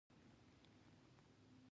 د نوي مقام یا مسلک موندلو وخت دی.